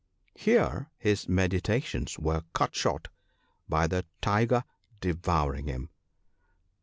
Here his meditations were cut short by the Tiger devouring him.